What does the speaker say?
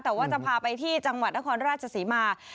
แต่ว่าจะพาไปที่จังหวัดนครราชศรีมา